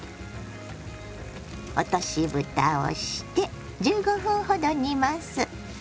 落としぶたをして１５分ほど煮ます。